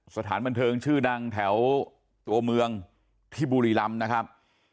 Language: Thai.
สถานบันเทิงชื่อดังแถวตัวเมืองที่บุรีรำนะครับ